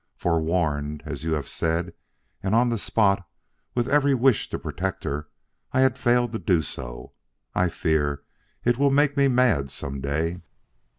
Forewarned, as you have said, and on the spot, with every wish to protect her, I had failed to do so. I fear it will make me mad some day."